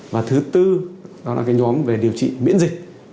và thứ tư đó là cái nhóm về điều trị miễn dịch